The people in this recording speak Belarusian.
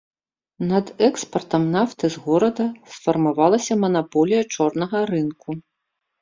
Над экспартам нафты з горада сфармавалася манаполія чорнага рынку.